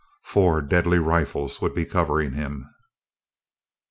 Four deadly rifles would be covering him.